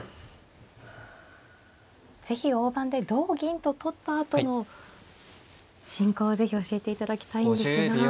是非大盤で同銀と取ったあとの進行を是非教えていただきたいんですが。